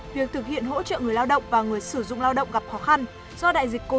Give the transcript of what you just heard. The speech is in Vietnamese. việc thực hiện hỗ trợ người lao động và người sử dụng lao động gặp khó khăn do đại dịch covid một mươi chín